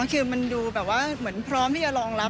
คือมันดูแบบว่าเหมือนพร้อมที่จะรองรับ